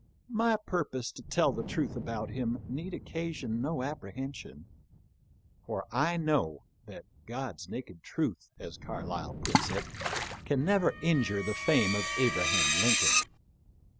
My purpose to tell the truth about him need occasion no apprehension ; for I know that " God's naked truth," as Carlyle puts it, can never injure the fame of Abraham Lincoln.